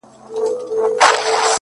زمــا دزړه د ائينې په خاموشـۍ كي-